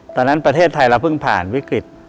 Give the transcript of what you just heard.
ตอนนั้นประเทศไทยเราพึ่งผ่านวิกฤต